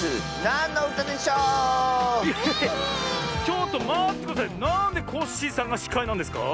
なんでコッシーさんがしかいなんですか？